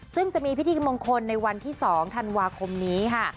ซึ่งจะมีพิธีมงคลในวันที่๒ธันวาคมนี้ค่ะ